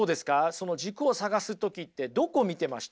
その軸を探す時ってどこ見てました？